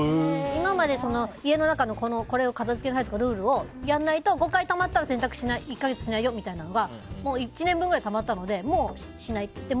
今まで家の中のこれを片付けなさいってルールをやらないと５回たまったら１か月しないよみたいなのが１年分ぐらいたまったのでもうしないって。